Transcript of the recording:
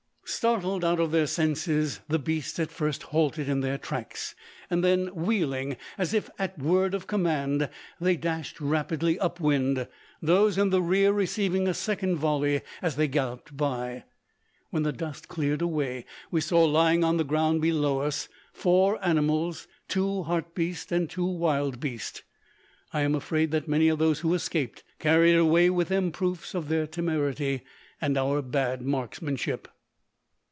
Startled out of their senses, the beasts at first halted in their tracks, and then wheeling, as if at word of command, they dashed rapidly up wind those in the rear receiving a second volley as they galloped by. When the dust cleared away, we saw lying on the ground below us four animals two hartbeest and two wildbeest. I am afraid that many of those who escaped carried away with them proofs of their temerity and our bad marksmanship.